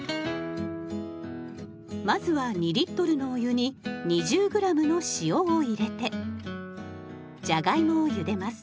まずは２のお湯に２０ｇの塩を入れてじゃがいもをゆでます。